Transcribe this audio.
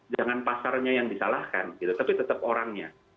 jangan pasarnya yang disalahkan gitu tapi tetap orangnya